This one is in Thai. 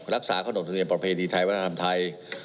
รักษาขนมทรีย์ประเพณีไทยวัฒนธรรมไทย